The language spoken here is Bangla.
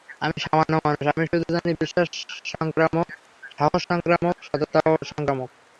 আমি সামান্য মানুষ, আমি শুধু জানি বিশ্বাস সংক্রামক, সাহস সংক্রামক, সততাও সংক্রামক।